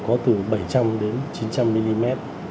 có từ bảy trăm linh đến chín trăm linh mm